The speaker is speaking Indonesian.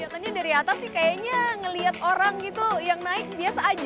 katanya dari atas sih kayaknya ngelihat orang gitu yang naik biasa aja